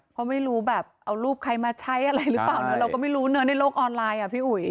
เพราะไม่รู้แบบเอารูปใครมาใช้อะไรหรือเปล่านะเราก็ไม่รู้เนอะในโลกออนไลน์อ่ะพี่อุ๋ย